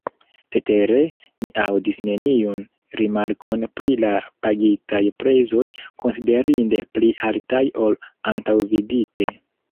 Cetere, mi aŭdis neniun rimarkon pri la pagitaj prezoj, konsiderinde pli altaj ol antaŭvidite.